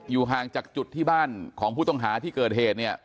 ห่างจากจุดที่บ้านของผู้ต้องหาที่เกิดเหตุเนี่ย